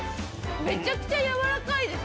めちゃくちゃ柔らかいです。